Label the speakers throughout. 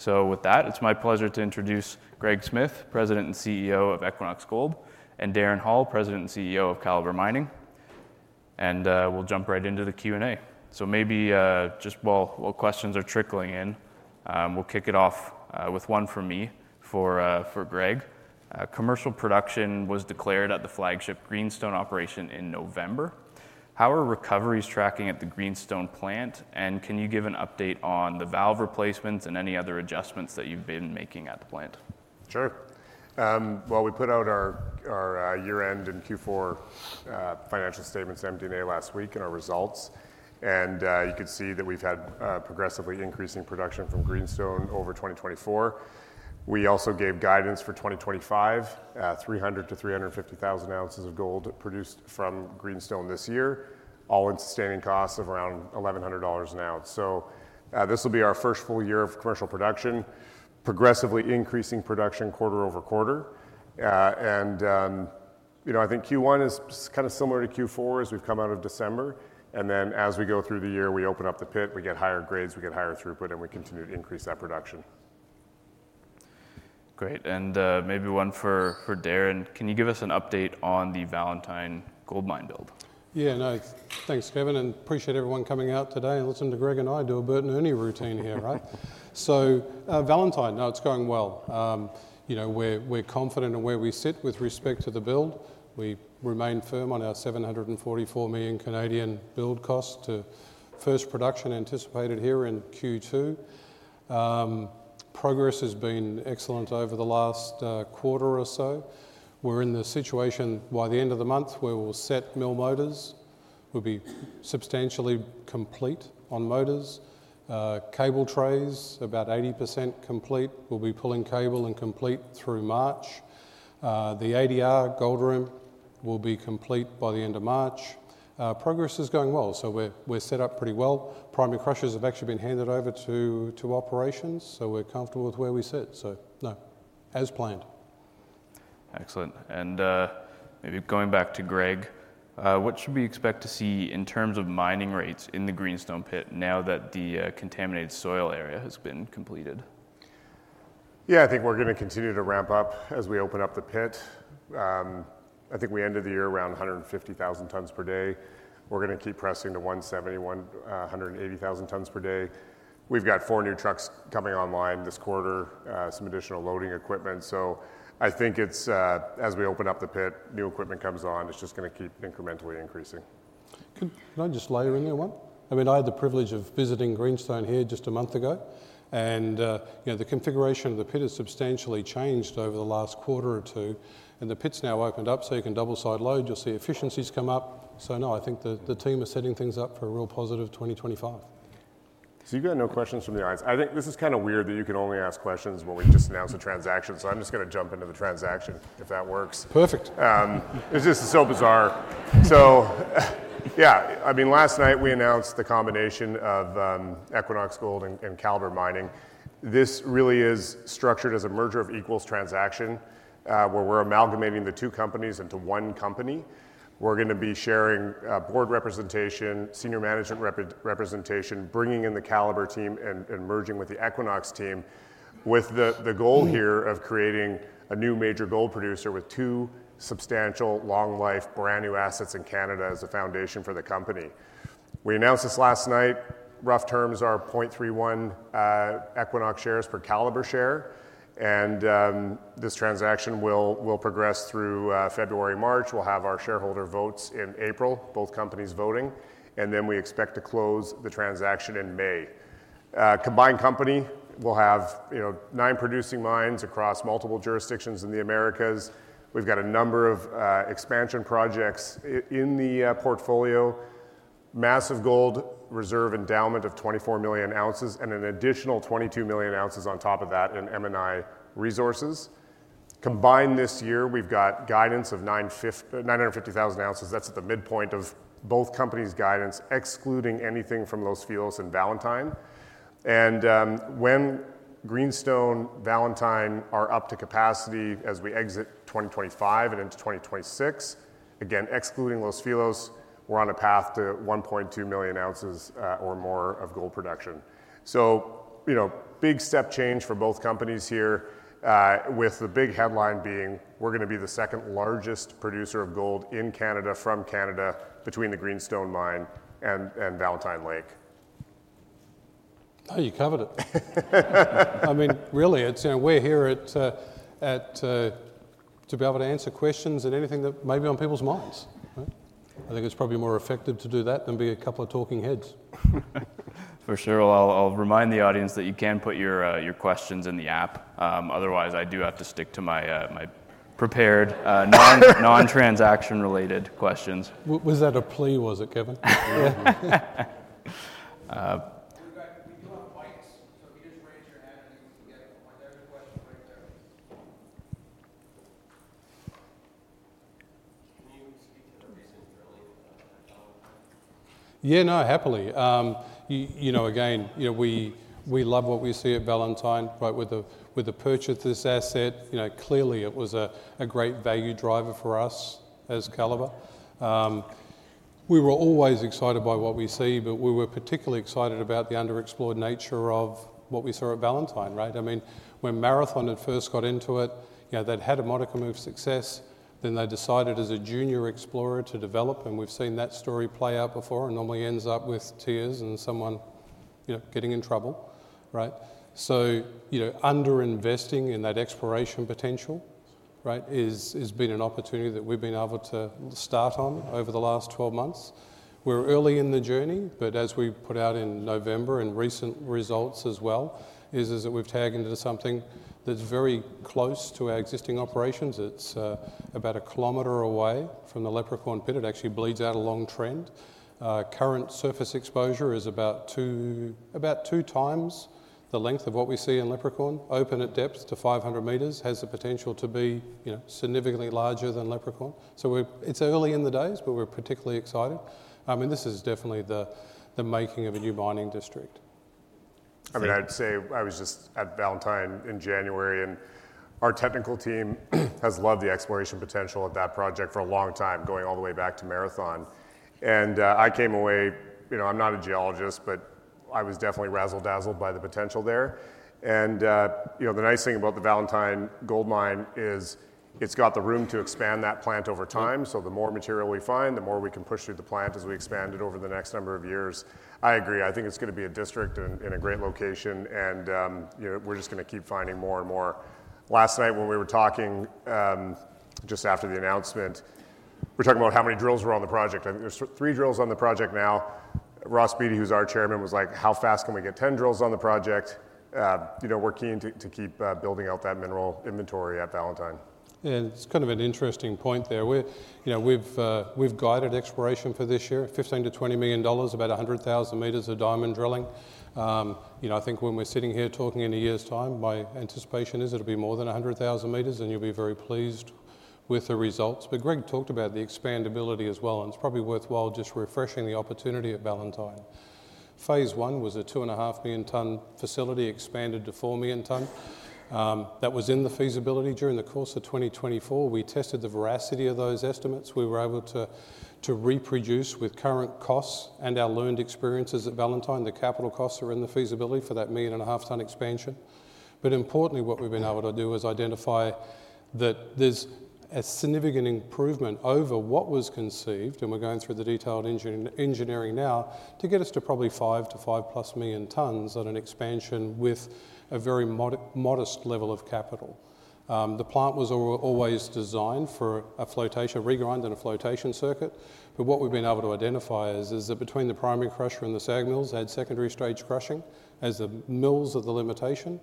Speaker 1: So with that, it's my pleasure to introduce Greg Smith, President and CEO of Equinox Gold, and Darren Hall, President and CEO of Calibre Mining. And we'll jump right into the Q&A. So maybe just while questions are trickling in, we'll kick it off with one from me for Greg. Commercial production was declared at the flagship Greenstone operation in November. How are recoveries tracking at the Greenstone plant, and can you give an update on the valve replacements and any other adjustments that you've been making at the plant?
Speaker 2: Sure. Well, we put out our year-end and Q4 financial statements, MD&A, last week and our results. And you could see that we've had progressively increasing production from Greenstone over 2024. We also gave guidance for 2025, 300,000-350,000 ounces of gold produced from Greenstone this year, all at sustaining costs of around $1,100 an ounce. So this will be our first full year of commercial production, progressively increasing production quarter over quarter. And I think Q1 is kind of similar to Q4 as we've come out of December. And then as we go through the year, we open up the pit, we get higher grades, we get higher throughput, and we continue to increase that production.
Speaker 1: Great. And maybe one for Darren: can you give us an update on the Valentine Gold Mine build?
Speaker 3: Yeah, thanks, Kevin. And appreciate everyone coming out today and listening to Greg and I do a Bert and Ernie routine here, right? So Valentine, no, it's going well. We're confident in where we sit with respect to the build. We remain firm on our 744 million build cost to first production anticipated here in Q2. Progress has been excellent over the last quarter or so. We're in the situation by the end of the month where we'll set mill motors. We'll be substantially complete on motors. Cable trays, about 80% complete. We'll be pulling cable and complete through March. The ADR, Gold Room, will be complete by the end of March. Progress is going well, so we're set up pretty well. Primary crushers have actually been handed over to operations, so we're comfortable with where we sit, so no, as planned.
Speaker 1: Excellent. Maybe going back to Greg, what should we expect to see in terms of mining rates in the Greenstone pit now that the contaminated soil area has been completed?
Speaker 2: Yeah, I think we're going to continue to ramp up as we open up the pit. I think we ended the year around 150,000 tons per day. We're going to keep pressing to 170,000-180,000 tons per day. We've got four new trucks coming online this quarter, some additional loading equipment. So I think as we open up the pit, new equipment comes on. It's just going to keep incrementally increasing.
Speaker 3: Can I just layer in there one? I mean, I had the privilege of visiting Greenstone here just a month ago, and the configuration of the pit has substantially changed over the last quarter or two. And the pit's now opened up, so you can double-side load. You'll see efficiencies come up. So no, I think the team is setting things up for a real positive 2025.
Speaker 2: So you've got no questions from the audience. I think this is kind of weird that you can only ask questions when we just announced the transaction. So I'm just going to jump into the transaction if that works.
Speaker 3: Perfect.
Speaker 2: It's just so bizarre. Yeah, I mean, last night we announced the combination of Equinox Gold and Calibre Mining. This really is structured as a merger of equals transaction where we're amalgamating the two companies into one company. We're going to be sharing board representation, senior management representation, bringing in the Calibre team and merging with the Equinox team, with the goal here of creating a new major gold producer with two substantial long-life brand new assets in Canada as a foundation for the company. We announced this last night. Rough terms are 0.31 Equinox shares per Calibre share. This transaction will progress through February, March. We'll have our shareholder votes in April, both companies voting, and then we expect to close the transaction in May. Combined company, we'll have nine producing mines across multiple jurisdictions in the Americas. We've got a number of expansion projects in the portfolio, massive gold reserve endowment of 24 million ounces, and an additional 22 million ounces on top of that in M&I resources. Combined this year, we've got guidance of 950,000 ounces. That's at the midpoint of both companies' guidance, excluding anything from Los Filos in Valentine. When Greenstone, Valentine are up to capacity as we exit 2025 and into 2026, again, excluding Los Filos, we're on a path to 1.2 million ounces or more of gold production. Big step change for both companies here, with the big headline being, we're going to be the second largest producer of gold in Canada from Canada between the Greenstone mine and Valentine Lake.
Speaker 3: No, you covered it. I mean, really, we're here to be able to answer questions and anything that may be on people's minds. I think it's probably more effective to do that than be a couple of talking heads.
Speaker 1: For sure. I'll remind the audience that you can put your questions in the app. Otherwise, I do have to stick to my prepared non-transaction related questions.
Speaker 3: Was that a plea, was it, Kevin?
Speaker 1: Yeah.
Speaker 4: We do have mics, so if you just raise your hand and you can get a mic, there's a question right there. Can you speak to the recent drilling at Valentine?
Speaker 3: Yeah, no, happily. Again, we love what we see at Valentine, right? With the purchase of this asset, clearly it was a great value driver for us as Calibre. We were always excited by what we see, but we were particularly excited about the underexplored nature of what we saw at Valentine, right? I mean, when Marathon had first got into it, they'd had a modicum of success, then they decided as a junior explorer to develop, and we've seen that story play out before, and normally ends up with tears and someone getting in trouble, right? So underinvesting in that exploration potential has been an opportunity that we've been able to start on over the last 12 months. We're early in the journey, but as we put out in November and recent results as well, is that we've tagged into something that's very close to our existing operations. It's about a kilometer away from the Leprechaun pit. It actually bleeds out a long trend. Current surface exposure is about two times the length of what we see in Leprechaun. Open at depth to 500 meters has the potential to be significantly larger than Leprechaun. So it's early in the days, but we're particularly excited. I mean, this is definitely the making of a new mining district.
Speaker 2: I mean, I'd say I was just at Valentine in January, and our technical team has loved the exploration potential at that project for a long time, going all the way back to Marathon. And I came away, I'm not a geologist, but I was definitely razzle-dazzled by the potential there. And the nice thing about the Valentine Gold Mine is it's got the room to expand that plant over time. So the more material we find, the more we can push through the plant as we expand it over the next number of years. I agree. I think it's going to be a district in a great location, and we're just going to keep finding more and more. Last night when we were talking just after the announcement, we were talking about how many drills were on the project. There's three drills on the project now. Ross Beaty, who's our chairman, was like, "How fast can we get 10 drills on the project?" We're keen to keep building out that mineral inventory at Valentine.
Speaker 3: Yeah, it's kind of an interesting point there. We've guided exploration for this year, $15 million-$20 million, about 100,000 meters of diamond drilling. I think when we're sitting here talking in a year's time, my anticipation is it'll be more than 100,000 meters, and you'll be very pleased with the results. But Greg talked about the expandability as well, and it's probably worthwhile just refreshing the opportunity at Valentine. Phase one was a 2.5 million ton facility expanded to 4 million ton. That was in the feasibility during the course of 2024. We tested the veracity of those estimates. We were able to reproduce with current costs and our learned experiences at Valentine. The capital costs are in the feasibility for that 1.5 million ton expansion. But importantly, what we've been able to do is identify that there's a significant improvement over what was conceived, and we're going through the detailed engineering now, to get us to probably five to five-plus million tons on an expansion with a very modest level of capital. The plant was always designed for a regrind and a flotation circuit. But what we've been able to identify is that between the primary crusher and the SAG mills, add secondary stage crushing as the mills are the limitation,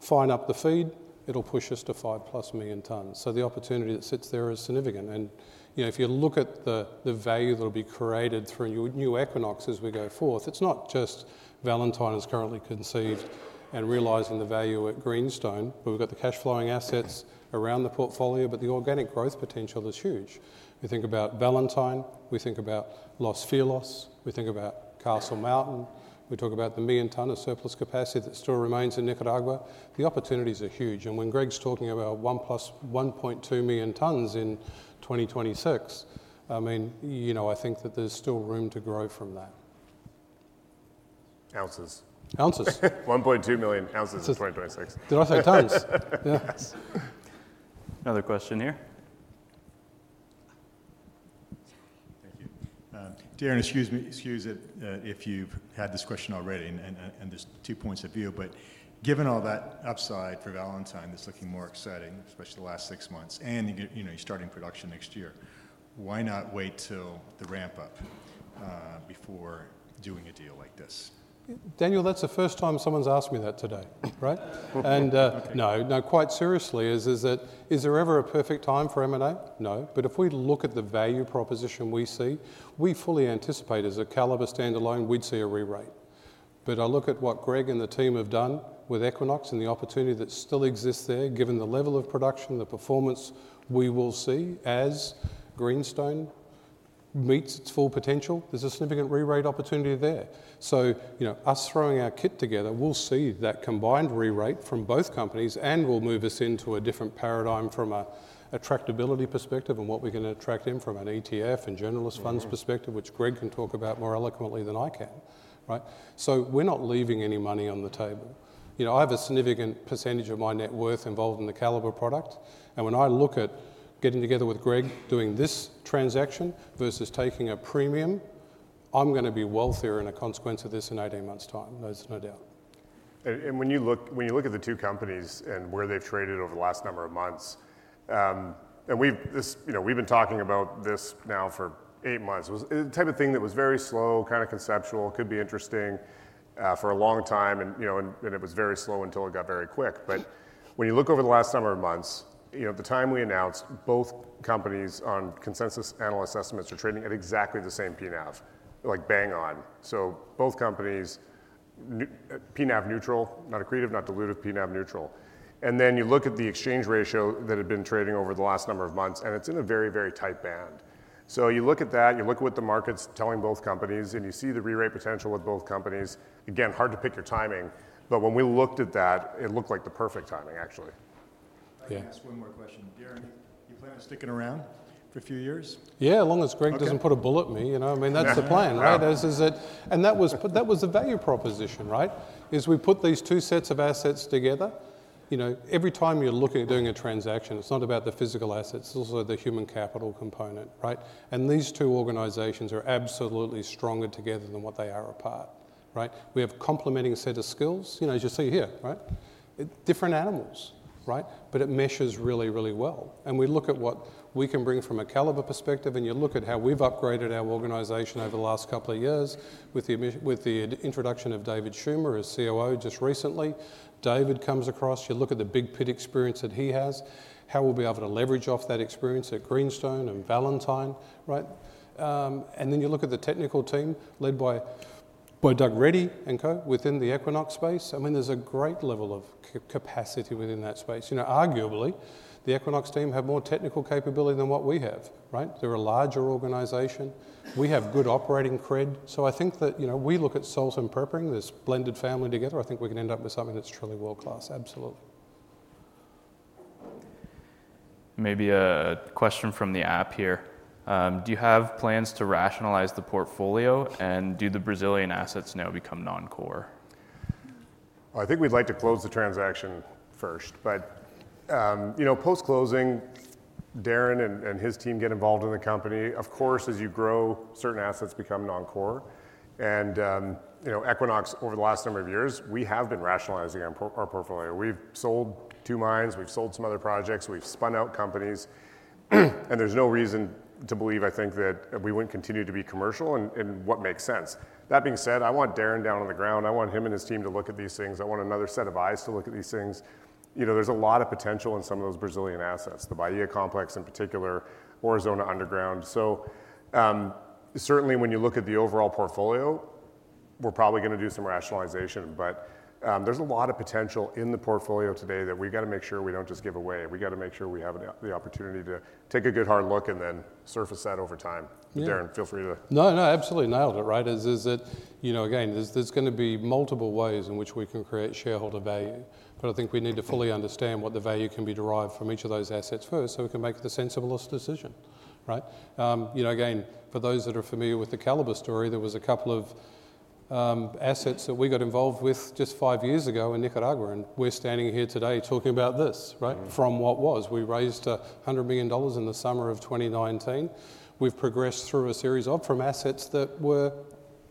Speaker 3: fine up the feed, it'll push us to five-plus million tons. So the opportunity that sits there is significant. If you look at the value that'll be created through a new Equinox as we go forth, it's not just Valentine as currently conceived and realizing the value at Greenstone, but we've got the cash flowing assets around the portfolio, but the organic growth potential is huge. We think about Valentine, we think about Los Filos, we think about Castle Mountain, we talk about the million-ton of surplus capacity that still remains in Nicaragua. The opportunities are huge. When Greg's talking about one plus 1.2 million tons in 2026, I mean, I think that there's still room to grow from that.
Speaker 2: Ounces.
Speaker 3: Ounces.
Speaker 2: 1.2 million ounces in 2026.
Speaker 3: Did I say tons?
Speaker 1: Another question here.
Speaker 4: Thank you. Darren, excuse me if you've had this question already, and there's two points of view, but given all that upside for Valentine that's looking more exciting, especially the last six months, and you're starting production next year, why not wait till the ramp up before doing a deal like this?
Speaker 3: Daniel, that's the first time someone's asked me that today, right? No, quite seriously, is there ever a perfect time for M&A? No. If we look at the value proposition we see, we fully anticipate as a Calibre standalone, we'd see a re-rate. I look at what Greg and the team have done with Equinox and the opportunity that still exists there, given the level of production, the performance we will see as Greenstone meets its full potential. There's a significant re-rate opportunity there. Us throwing our kit together, we'll see that combined re-rate from both companies, and we'll move us into a different paradigm from an attractability perspective and what we can attract in from an ETF and generalist funds perspective, which Greg can talk about more eloquently than I can, right? We're not leaving any money on the table. I have a significant percentage of my net worth involved in the Calibre product, and when I look at getting together with Greg doing this transaction versus taking a premium, I'm going to be wealthier as a consequence of this in 18 months' time, there's no doubt.
Speaker 2: When you look at the two companies and where they've traded over the last number of months, and we've been talking about this now for eight months, it was the type of thing that was very slow, kind of conceptual, could be interesting for a long time, and it was very slow until it got very quick. But when you look over the last number of months, at the time we announced, both companies on consensus analyst estimates are trading at exactly the same PNAV, like bang on. So both companies, PNAV neutral, not accretive, not diluted, PNAV neutral. And then you look at the exchange ratio that had been trading over the last number of months, and it's in a very, very tight band. So you look at that, you look at what the market's telling both companies, and you see the re-rate potential with both companies. Again, hard to pick your timing, but when we looked at that, it looked like the perfect timing, actually.
Speaker 4: I'll ask one more question. Darren here, you plan on sticking around for a few years?
Speaker 3: Yeah, as long as Greg doesn't put a bullet in me. I mean, that's the plan, right? And that was the value proposition, right? Is we put these two sets of assets together. Every time you're looking at doing a transaction, it's not about the physical assets, it's also the human capital component, right? And these two organizations are absolutely stronger together than what they are apart, right? We have complementing sets of skills, as you see here, right? Different animals, right? But it meshes really, really well. And we look at what we can bring from a Calibre perspective, and you look at how we've upgraded our organization over the last couple of years with the introduction of David Schummer as COO just recently. David comes across. You look at the big pit experience that he has, how we'll be able to leverage off that experience at Greenstone and Valentine, right? And then you look at the technical team led by Doug Reddy and co within the Equinox space. I mean, there's a great level of capacity within that space. Arguably, the Equinox team have more technical capability than what we have, right? They're a larger organization. We have good operating cred. So I think that we look at salt and peppering this blended family together. I think we can end up with something that's truly world-class, absolutely.
Speaker 1: Maybe a question from the app here. Do you have plans to rationalize the portfolio and do the Brazilian assets now become non-core?
Speaker 2: I think we'd like to close the transaction first, but post-closing, Darren and his team get involved in the company. Of course, as you grow, certain assets become non-core and Equinox, over the last number of years, we have been rationalizing our portfolio. We've sold two mines, we've sold some other projects, we've spun out companies, and there's no reason to believe, I think, that we wouldn't continue to be commercial in what makes sense. That being said, I want Darren down on the ground. I want him and his team to look at these things. I want another set of eyes to look at these things. There's a lot of potential in some of those Brazilian assets, the Bahia Complex in particular, Aurizona Underground. Certainly when you look at the overall portfolio, we're probably going to do some rationalization, but there's a lot of potential in the portfolio today that we've got to make sure we don't just give away. We've got to make sure we have the opportunity to take a good hard look and then surface that over time. Darren, feel free to.
Speaker 3: No, no, absolutely nailed it, right? Again, there's going to be multiple ways in which we can create shareholder value, but I think we need to fully understand what the value can be derived from each of those assets first so we can make the sensiblest decision, right? Again, for those that are familiar with the Calibre story, there was a couple of assets that we got involved with just five years ago in Nicaragua, and we're standing here today talking about this, right? From what was, we raised $100 million in the summer of 2019. We've progressed through a series of assets that were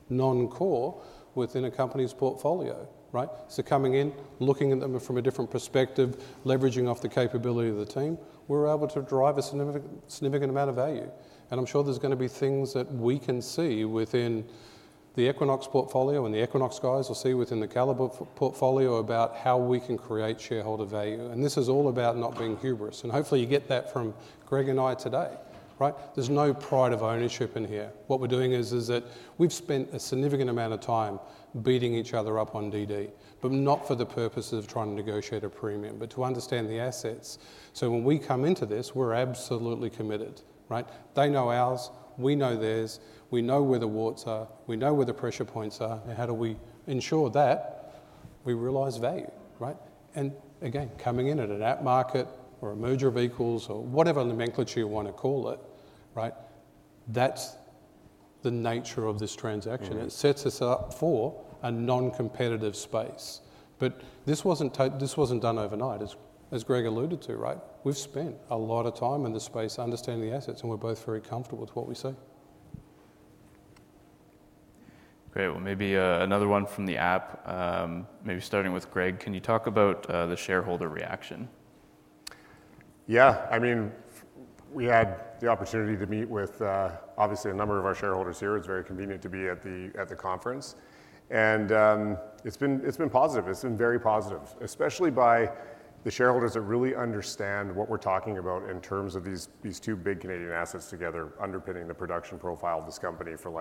Speaker 3: non-core within a company's portfolio, right? So coming in, looking at them from a different perspective, leveraging off the capability of the team, we're able to drive a significant amount of value. I'm sure there's going to be things that we can see within the Equinox portfolio and the Equinox guys will see within the Calibre portfolio about how we can create shareholder value. This is all about not being hubris. Hopefully you get that from Greg and I today, right? There's no pride of ownership in here. What we're doing is that we've spent a significant amount of time beating each other up on DD, but not for the purpose of trying to negotiate a premium, but to understand the assets. When we come into this, we're absolutely committed, right? They know ours, we know theirs, we know where the warts are, we know where the pressure points are, and how do we ensure that we realize value, right? And again, coming in at a premium or a merger of equals or whatever nomenclature you want to call it, right? That's the nature of this transaction. It sets us up for a non-competitive space. But this wasn't done overnight, as Greg alluded to, right? We've spent a lot of time in the space understanding the assets, and we're both very comfortable with what we see.
Speaker 1: Great. Well, maybe another one from the app, maybe starting with Greg, can you talk about the shareholder reaction?
Speaker 2: Yeah. I mean, we had the opportunity to meet with obviously a number of our shareholders here. It's very convenient to be at the conference, and it's been positive. It's been very positive, especially by the shareholders that really understand what we're talking about in terms of these two big Canadian assets together underpinning the production profile of this company for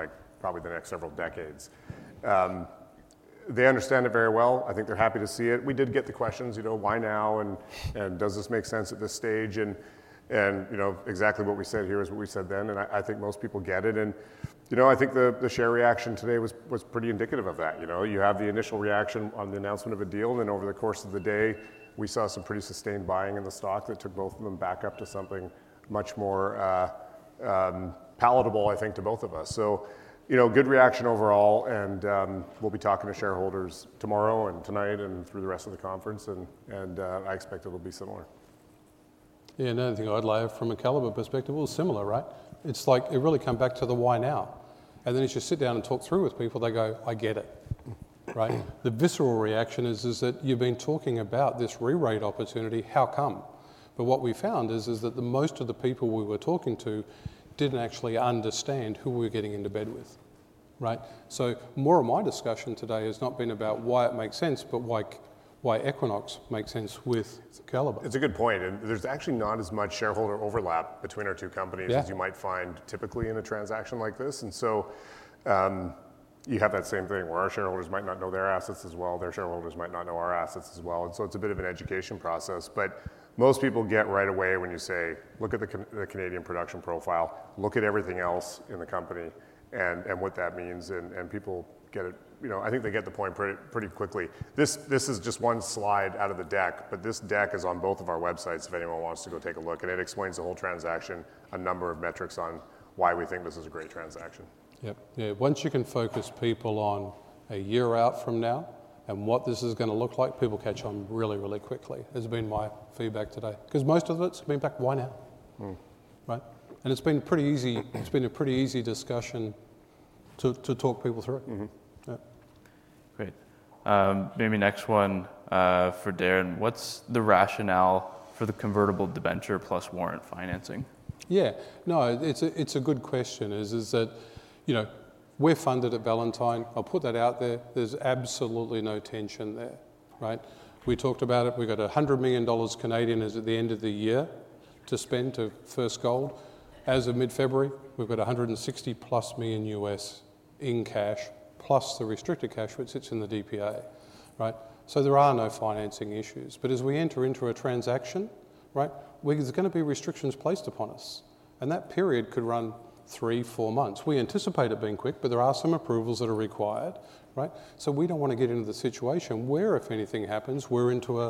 Speaker 2: probably the next several decades. They understand it very well. I think they're happy to see it. We did get the questions, why now and does this make sense at this stage? And exactly what we said here is what we said then, and I think most people get it, and I think the share reaction today was pretty indicative of that. You have the initial reaction on the announcement of a deal, and then over the course of the day, we saw some pretty sustained buying in the stock that took both of them back up to something much more palatable, I think, to both of us. So good reaction overall, and we'll be talking to shareholders tomorrow and tonight and through the rest of the conference, and I expect it'll be similar.
Speaker 3: Yeah, another thing I'd love from a Calibre perspective, it was similar, right? It's like it really come back to the why now. And then as you sit down and talk through with people, they go, "I get it," right? The visceral reaction is that you've been talking about this re-rate opportunity, how come? But what we found is that most of the people we were talking to didn't actually understand who we were getting into bed with, right? So more of my discussion today has not been about why it makes sense, but why Equinox makes sense with Calibre.
Speaker 2: It's a good point, and there's actually not as much shareholder overlap between our two companies as you might find typically in a transaction like this, and so you have that same thing where our shareholders might not know their assets as well, their shareholders might not know our assets as well, and so it's a bit of an education process, but most people get right away when you say, "Look at the Canadian production profile, look at everything else in the company and what that means." People get it. I think they get the point pretty quickly. This is just one slide out of the deck, but this deck is on both of our websites if anyone wants to go take a look. It explains the whole transaction, a number of metrics on why we think this is a great transaction.
Speaker 3: Yep. Yeah. Once you can focus people on a year out from now and what this is going to look like, people catch on really, really quickly. Has been my feedback today. Because most of it's been back, why now, right? And it's been a pretty easy discussion to talk people through it.
Speaker 1: Great. Maybe next one for Darren. What's the rationale for the convertible debenture plus warrant financing?
Speaker 3: Yeah. No, it's a good question. It's that we're funded at Valentine. I'll put that out there. There's absolutely no tension there, right? We talked about it. We've got 100 million Canadian dollars at the end of the year to spend to first gold. As of mid-February, we've got $160 million plus in cash plus the restricted cash which sits in the DSRA, right? So there are no financing issues. But as we enter into a transaction, right, there's going to be restrictions placed upon us. And that period could run three, four months. We anticipate it being quick, but there are some approvals that are required, right? So we don't want to get into the situation where, if anything happens, we're into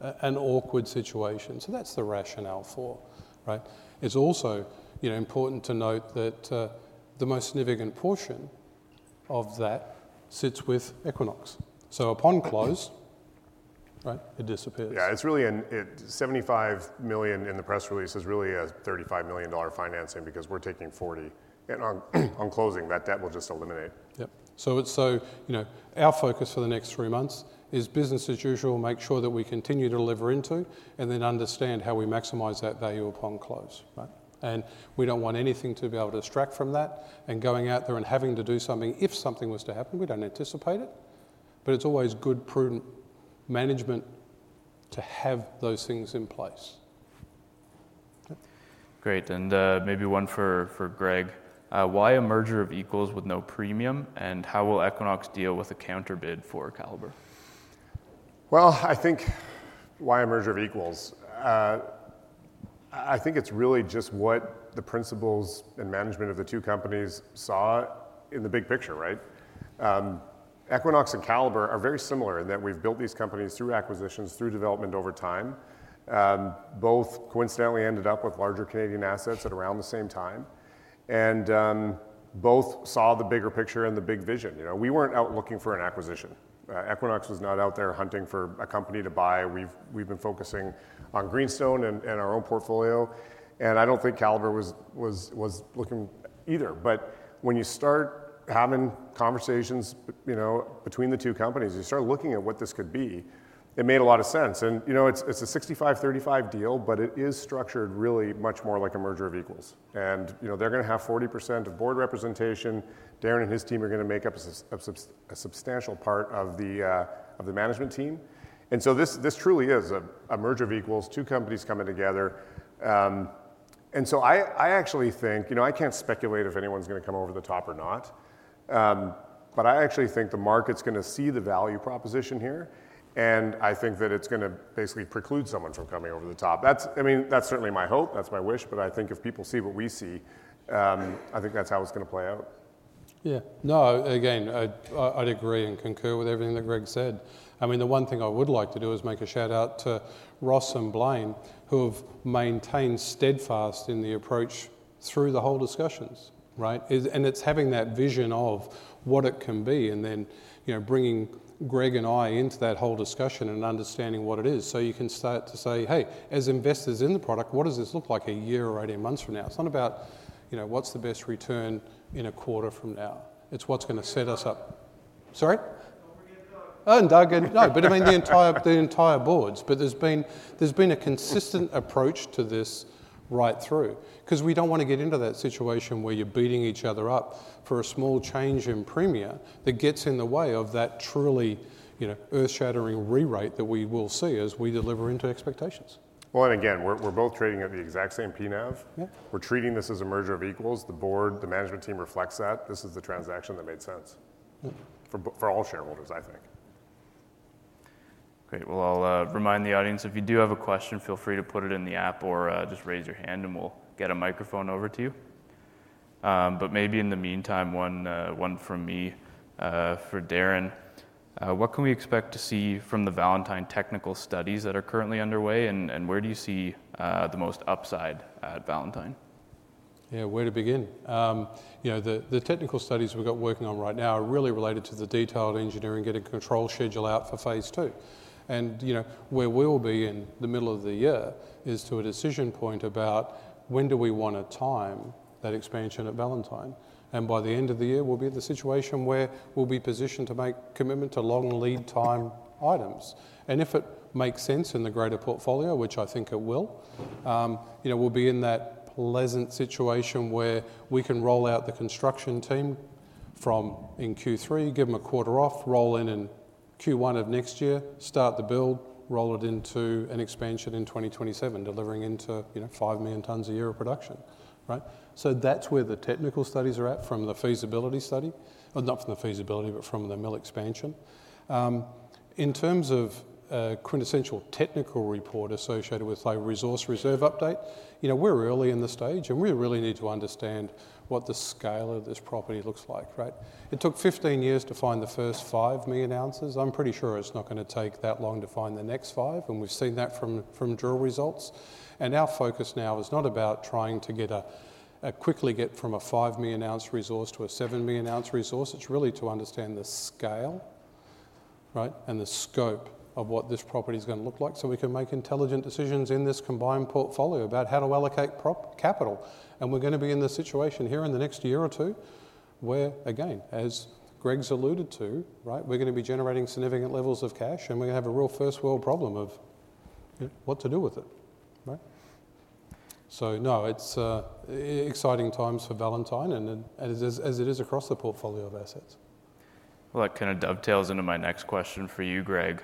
Speaker 3: an awkward situation. So that's the rationale for, right? It's also important to note that the most significant portion of that sits with Equinox. Upon close, right, it disappears.
Speaker 2: Yeah. It's really $75 million in the press release, but it's really a $35 million financing because we're taking $40 million. And on closing, that debt will just eliminate.
Speaker 3: Yep, so our focus for the next three months is business as usual, make sure that we continue to deliver into and then understand how we maximize that value upon close, right? And we don't want anything to be able to extract from that. And going out there and having to do something if something was to happen, we don't anticipate it. But it's always good prudent management to have those things in place.
Speaker 1: Great. And maybe one for Greg. Why a merger of equals with no premium and how will Equinox deal with a counter bid for Calibre?
Speaker 2: I think why a merger of equals? I think it's really just what the principals and management of the two companies saw in the big picture, right? Equinox and Calibre are very similar in that we've built these companies through acquisitions, through development over time. Both coincidentally ended up with larger Canadian assets at around the same time. Both saw the bigger picture and the big vision. We weren't out looking for an acquisition. Equinox was not out there hunting for a company to buy. We've been focusing on Greenstone and our own portfolio. I don't think Calibre was looking either. When you start having conversations between the two companies, you start looking at what this could be. It made a lot of sense. It's a 65-35 deal, but it is structured really much more like a merger of equals. And they're going to have 40% of board representation. Darren and his team are going to make up a substantial part of the management team. And so this truly is a merger of equals, two companies coming together. And so I actually think, I can't speculate if anyone's going to come over the top or not, but I actually think the market's going to see the value proposition here. And I think that it's going to basically preclude someone from coming over the top. I mean, that's certainly my hope, that's my wish, but I think if people see what we see, I think that's how it's going to play out.
Speaker 3: Yeah. No, again, I'd agree and concur with everything that Greg said. I mean, the one thing I would like to do is make a shout out to Ross and Blayne, who have maintained steadfast in the approach through the whole discussions, right? And it's having that vision of what it can be and then bringing Greg and I into that whole discussion and understanding what it is. So you can start to say, "Hey, as investors in the product, what does this look like a year or 18 months from now?" It's not about what's the best return in a quarter from now. It's what's going to set us up. Sorry?
Speaker 4: Don't forget Doug.
Speaker 3: Oh, and Doug. No, but I mean the entire boards. But there's been a consistent approach to this right through. Because we don't want to get into that situation where you're beating each other up for a small change in premium that gets in the way of that truly earth-shattering re-rate that we will see as we deliver into expectations.
Speaker 2: And again, we're both trading at the exact same PNAV. We're treating this as a merger of equals. The board, the management team reflects that. This is the transaction that made sense for all shareholders, I think.
Speaker 1: Great. Well, I'll remind the audience, if you do have a question, feel free to put it in the app or just raise your hand and we'll get a microphone over to you. But maybe in the meantime, one from me for Darren. What can we expect to see from the Valentine technical studies that are currently underway and where do you see the most upside at Valentine?
Speaker 3: Yeah, where to begin? The technical studies we've got working on right now are really related to the detailed engineering getting control schedule out for phase two. And where we'll be in the middle of the year is to a decision point about when do we want to time that expansion at Valentine. And by the end of the year, we'll be at the situation where we'll be positioned to make commitment to long lead time items. And if it makes sense in the greater portfolio, which I think it will, we'll be in that pleasant situation where we can roll out the construction team from in Q3, give them a quarter off, roll in in Q1 of next year, start the build, roll it into an expansion in 2027, delivering into five million tons a year of production, right? That's where the technical studies are at from the feasibility study, not from the feasibility, but from the mill expansion. In terms of quintessential technical report associated with, say, resource reserve update, we're early in the stage and we really need to understand what the scale of this property looks like, right? It took 15 years to find the first five million ounces. I'm pretty sure it's not going to take that long to find the next five, and we've seen that from drill results. And our focus now is not about trying to quickly get from a five million ounce resource to a seven million ounce resource. It's really to understand the scale, right, and the scope of what this property is going to look like so we can make intelligent decisions in this combined portfolio about how to allocate capital. And we're going to be in the situation here in the next year or two where, again, as Greg's alluded to, right, we're going to be generating significant levels of cash and we're going to have a real first world problem of what to do with it, right? So no, it's exciting times for Valentine and as it is across the portfolio of assets.
Speaker 1: That kind of dovetails into my next question for you, Greg.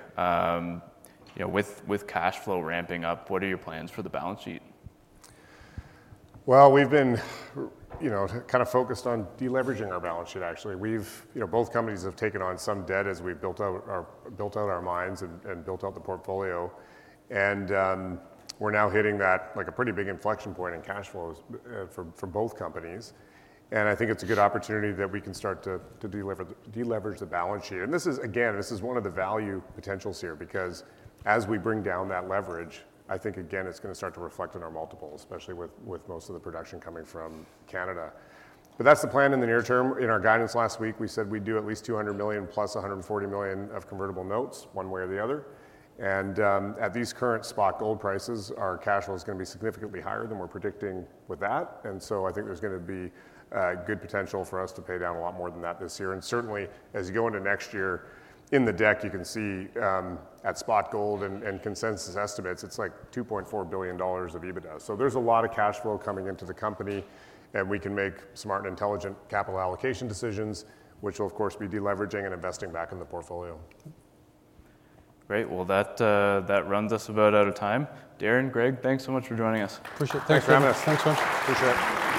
Speaker 1: With cash flow ramping up, what are your plans for the balance sheet?
Speaker 2: We've been kind of focused on deleveraging our balance sheet, actually. Both companies have taken on some debt as we've built out our mines and built out the portfolio. And we're now hitting that like a pretty big inflection point in cash flows for both companies. And I think it's a good opportunity that we can start to deleverage the balance sheet. And this is, again, this is one of the value potentials here because as we bring down that leverage, I think, again, it's going to start to reflect on our multiples, especially with most of the production coming from Canada. But that's the plan in the near term. In our guidance last week, we said we'd do at least $200 million + $140 million of convertible notes one way or the other. And at these current spot gold prices, our cash flow is going to be significantly higher than we're predicting with that. And so I think there's going to be good potential for us to pay down a lot more than that this year. And certainly, as you go into next year, in the deck, you can see at spot gold and consensus estimates, it's like $2.4 billion of EBITDA. So there's a lot of cash flow coming into the company and we can make smart and intelligent capital allocation decisions, which will, of course, be deleveraging and investing back in the portfolio.
Speaker 1: Great. Well, that runs us about out of time. Darren, Greg, thanks so much for joining us.
Speaker 3: Appreciate it. Thanks very much.
Speaker 2: Thanks so much. Appreciate it.